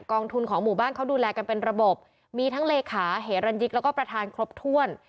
องทุนของหมู่บ้านเขาดูแลกันเป็นระบบมีทั้งเลขาเหรันยิกแล้วก็ประธานครบถ้วน